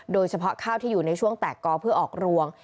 โดยเฉพาะข้าวที่อยู่ในช่วงแตกกอเพื่อออกรวง